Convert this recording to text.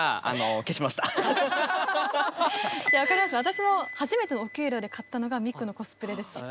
私も初めてのお給料で買ったのがミクのコスプレでした。